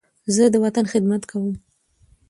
زه د وطن خدمت کوم.